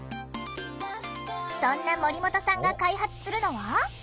そんな森本さんが開発するのは。